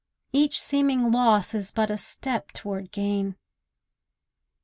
Each seeming loss is but a step to'rd gain.